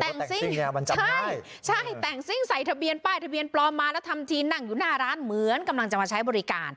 แต่งซิ่งใช่แต่งซิ่งใส่ทะเบียนป้ายทะเบียนปลอมมาแล้วทำทีนั่งอยู่หน้าร้านเหมือนกำลังจะมาใช้บริการ